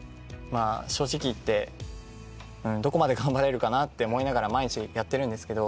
正直言ってどこまで頑張れるかなって思いながら毎日やってるんですけど。